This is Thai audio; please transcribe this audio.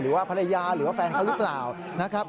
หรือว่าภรรยาหรือว่าแฟนเขาหรือเปล่านะครับ